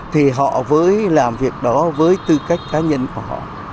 thì họ mới làm việc đó với tư cách cá nhân của họ